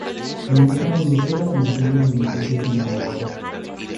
En esta inició las emisiones de noticias en Uruguay.